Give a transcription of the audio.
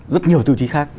rất nhiều tiêu chí khác